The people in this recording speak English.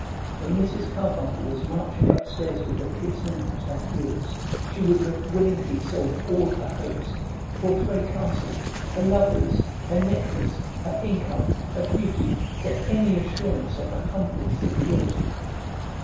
When Mrs. Carbuncle was marching up stairs with the policemen at her heels she would have willingly sold all her hopes, Portray Castle, her lovers, her necklace, her income, her beauty, for any assurance of the humblest security.